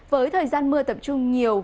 với thời gian mưa tập trung nhiều